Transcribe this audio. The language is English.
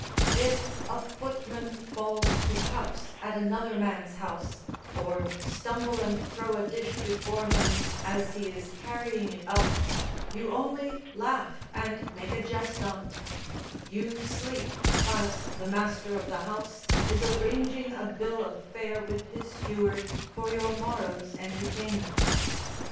If a footman falls to cuffs at another man's house, or stumble and throw a dish before him as he is carrying it up, you only laugh and make a jest on't; you sleep whilst the master of the house is arranging a bill of fare with his steward for your morrow's entertainment.